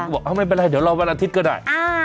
ก็บอกไม่เป็นไรเดี๋ยวรอวันอาทิตย์ก็ได้